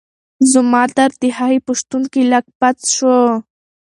زما درد د هغې په شتون کې لږ پڅ شو.